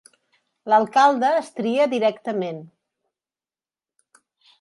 L'alcalde es tria directament.